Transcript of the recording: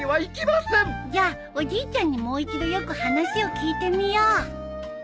じゃあおじいちゃんにもう一度よく話を聞いてみよう。